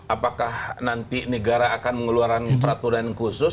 apakah nanti negara akan mengeluarkan peraturan khusus